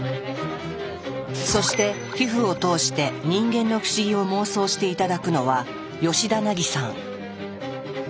そして皮膚を通して人間の不思議を妄想して頂くのはヨシダナギさん。